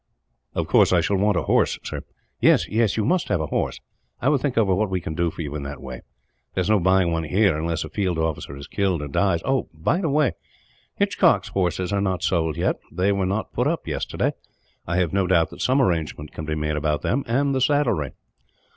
"Of course I shall want a horse, sir." "Yes, you must have a horse. I will think over what we can do for you, in that way. There is no buying one here, unless a field officer is killed, or dies. "By the way, Hitchcock's horses are not sold, yet. They were not put up, yesterday. I have no doubt that some arrangement can be made about them, and the saddlery."